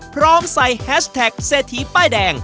พร้อมใส่แฮชแท็กเศรษฐีป้ายแดง